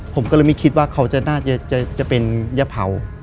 ผมก็เลยไม่คิดว่าเขาน่าจะเป็นยะเผา